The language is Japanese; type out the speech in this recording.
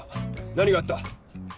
何があった？